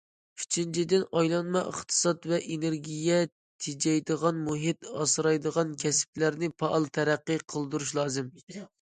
ئۈچىنچىدىن، ئايلانما ئىقتىساد ۋە ئېنېرگىيە تېجەيدىغان، مۇھىت ئاسرايدىغان كەسىپلەرنى پائال تەرەققىي قىلدۇرۇش لازىم.